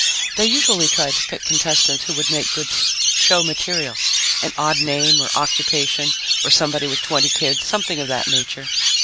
They usually tried to pick contestants who would make good show material an odd name or occupation or somebody with twenty kids. Something of that nature.